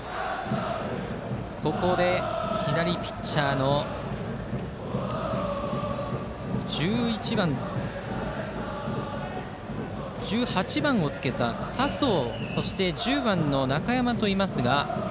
ここで左ピッチャーの１８番をつけた佐宗と、１０番の中山がいますが。